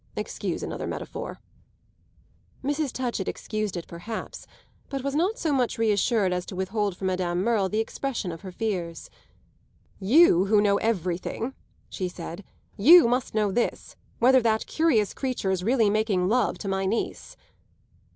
Excuse another metaphor." Mrs. Touchett excused it perhaps, but was not so much reassured as to withhold from Madame Merle the expression of her fears. "You who know everything," she said, "you must know this: whether that curious creature's really making love to my niece."